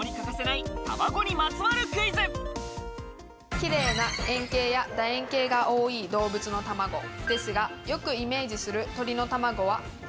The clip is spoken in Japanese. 綺麗な円形や楕円形が多い動物の卵ですが、よくイメージする鳥の卵は食べ応え抜群！